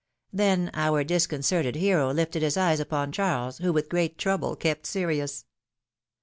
Then our disconcerted hero lifted his eyes upon Charles, who with great trouble kept serious.